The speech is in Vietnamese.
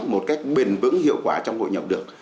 một cách bền vững hiệu quả trong hội nhập được